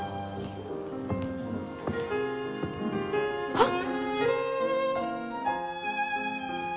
あっ！